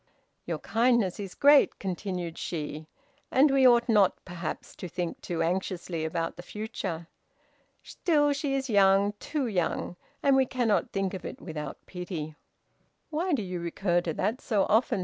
"Your kindness is great," continued she, "and we ought not, perhaps, to think too anxiously about the future. Still she is young, too young, and we cannot think of it without pity." "Why do you recur to that so often?"